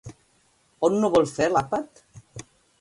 On no vol fer l'àpat?